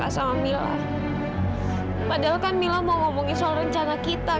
sampai jumpa di video selanjutnya